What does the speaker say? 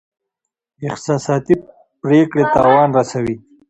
احساساتي پریکړې تاوان رسوي.